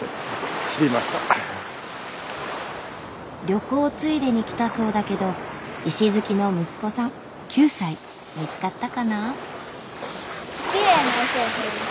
旅行ついでに来たそうだけど石好きの息子さん見つかったかな？